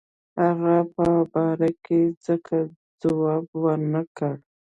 هغه په باره کې ځکه جواب ورنه کړ.